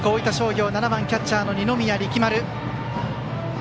打席には７番キャッチャーの二宮力丸。